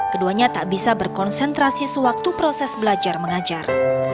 keduanya tak bisa berkonsentrasi sewaktu proses belajar mengajar